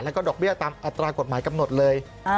แล้วก็ดอกเบี้ยตามอัตรากฎหมายกำหนดเลย